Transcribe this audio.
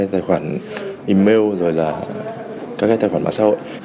tài khoản email rồi là các cái tài khoản mạng xã hội